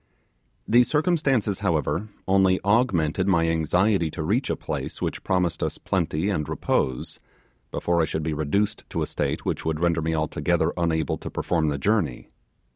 These circumstances, however, only augmented my anxiety to reach a place which promised us plenty and repose, before I should be reduced to a state which would render me altogether unable to perform the journey.